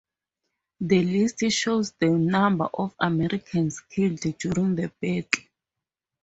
This list shows the number of Americans killed during the battle.